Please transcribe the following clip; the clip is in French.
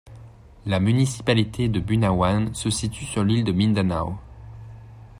La municipalité de Bunawan se situe sur l'île de Mindanao.